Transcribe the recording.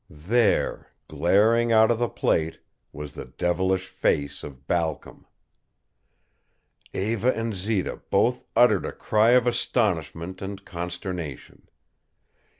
There, glaring out of the plate, was the devilish face of Balcom! Eva and Zita both uttered a cry of astonishment and consternation.